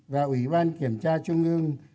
và ủy ban kiểm tra trung ương một mươi hai